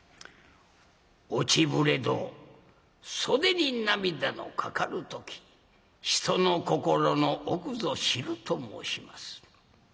「落ちぶれど袖に涙のかかる時人の心の奥ぞ知る」と申します。